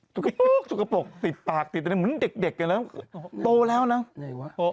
ตุ๊กปุ๊กติดปากติดตรงนั้นเหมือนเด็กเหมือนโตแล้วนะอ๋อไหนวะ